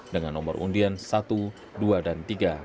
dengan nomor undian satu dua dan tiga